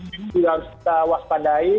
ini juga harus kita waspadai